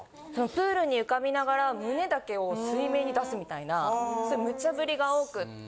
プールに浮かびながら胸だけを水面に出すみたいなそういう無茶ぶりが多くって。